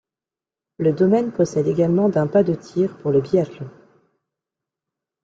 Le domaine possède également d'un pas de tir pour le biathlon.